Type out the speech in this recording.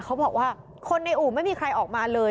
เขาบอกว่าคนในอู่ไม่มีใครออกมาเลย